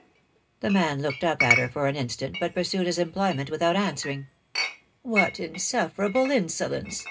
" The man looked up at her for an instant, but pursued his employment without answering. " What insufferable insolence